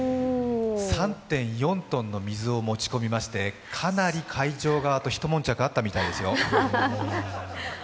３．４ｔの水を持ち込みまして、かなり会場側と一悶着あったみたいですよ。